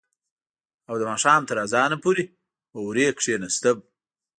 او د ماښام تر اذانه پورې به هورې کښېناستم.